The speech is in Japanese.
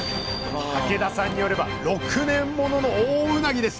竹田さんによれば６年ものの大うなぎです。